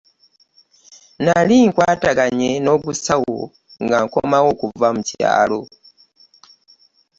Nnali nkwataganye n'ogusawo nga nkomawo okuva mu kyalo.